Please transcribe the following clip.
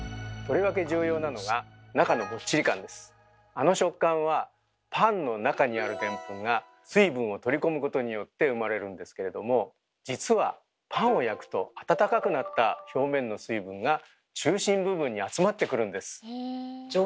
あの食感はパンの中にあるデンプンが水分を取り込むことによって生まれるんですけれども実はパンを焼くと温かくなった表面の水分が中心部分に集まってくるんです。